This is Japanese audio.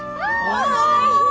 おいしい。